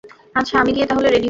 আচ্ছা, আমি গিয়ে তাহলে রেডি হই।